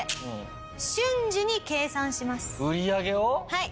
はい。